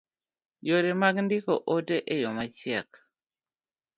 Yore mag ndiko ote e yo machiek